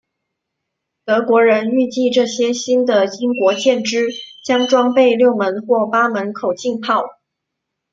德国人预计这些新的英国舰只将装备六门或八门口径炮。